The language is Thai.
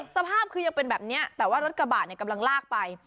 สภาพคือยังเป็นแบบนี้แต่ว่ารถกระบะกำลังลากไป